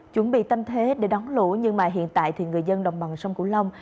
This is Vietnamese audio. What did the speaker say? chuẩn bị tâm thế để đóng lũ nhưng mà hiện tại thì người dân đồng bằng sông cửu long